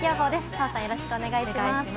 澤さん、よろしくお願いします。